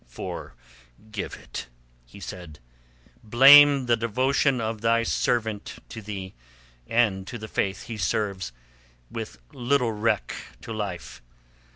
"Forgive it," he said. "Blame the devotion of thy servant to thee and to the Faith he serves with little reck to life.